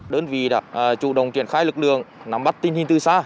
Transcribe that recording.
đơn vị đã chủ động triển khai lực lượng nắm bắt tình hình từ xa